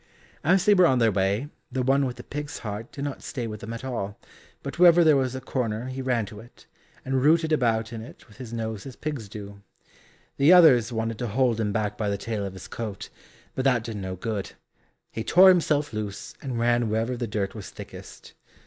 As they were on their way, the one with the pig's heart did not stay with them at all, but wherever there was a corner he ran to it, and rooted about in it with his nose as pigs do. The others wanted to hold him back by the tail of his coat, but that did no good; he tore himself loose, and ran wherever the dirt was thickest.